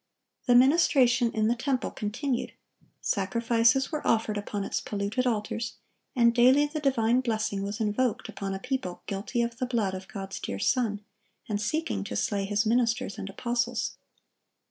The ministration in the temple continued; sacrifices were offered upon its polluted altars, and daily the divine blessing was invoked upon a people guilty of the blood of God's dear Son, and seeking to slay His ministers and apostles.